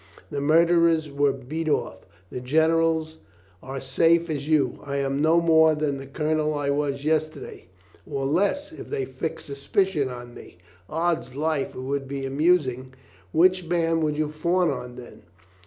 The murderers were beat off. The generals are safe as you. I am no more than the colonel I was yesterday. Or less, if they fix sus picion on me. Ods life, it would be amusing. Which man would you fawn on then?"